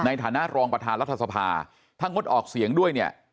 ในฐานะรองประธานรัฐสภาถ้างดออกเสียงด้วยเนี่ย